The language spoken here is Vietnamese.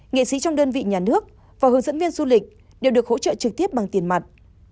nghệ sĩ trong đơn vị nhà nước và hướng dẫn viên du lịch đều được hỗ trợ trực tiếp bằng tiền mặt